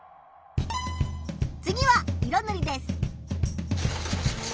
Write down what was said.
次は色ぬりです。